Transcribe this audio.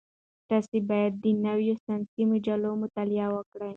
تاسي باید د نویو ساینسي مجلو مطالعه وکړئ.